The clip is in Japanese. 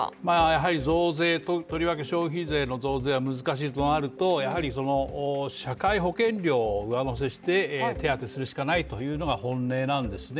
やはり増税、とりわけ消費税の増税が難しいとなると社会保険料を上乗せして手当するしかないというのが本音なんですね。